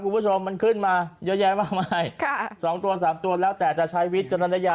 คุณผู้ชมมันขึ้นมาเยอะแยะมากมายค่ะสองตัวสามตัวแล้วแต่จะใช้วิจารณญาณ